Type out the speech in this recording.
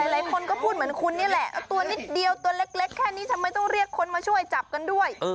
หลายคนก็พูดเหมือนคุณนี่แหละตัวนิดเดียวตัวเล็กแค่นี้ทำไมต้องเรียกคนมาช่วยจับกันด้วย